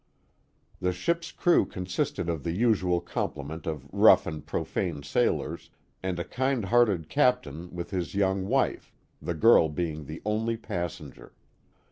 The ship's crew consisted of the usual complement of rough and profane sailors, and a kind hearted captain with his young wife ; the girl being the only passenger.